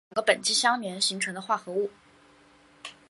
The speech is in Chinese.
联苯是两个苯基相连形成的化合物。